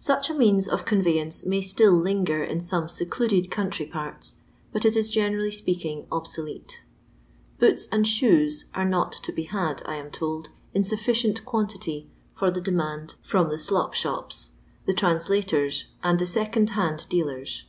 Such a means of convey ance may still linger in some secluded country parts, but it is generally speaking obsolete. Boots and Shoes are not to be had, I am told, in sufficient quantity for the demand from tho 81 LONDON LABOUR AND THE LONDON POOR. ilop shopSy the " translators/' and the second hand dealers.